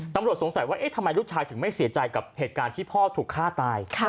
ตำรวจสงสัยว่าเอ๊ะทำไมลูกชายถึงไม่เสียใจกับเหตุการณ์ที่พ่อถูกฆ่าตาย